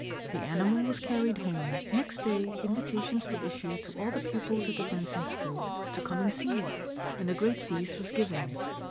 The animal was carried home. Next day invitations were issued to all the pupils at the fencing school to come and see it, and a great feast was given.